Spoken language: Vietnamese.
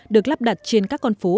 được lắp đặt trên các con phố